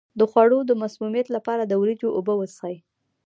د خوړو د مسمومیت لپاره د وریجو اوبه وڅښئ